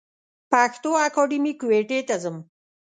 پښتو اکېډمۍ کوټي ته ځم.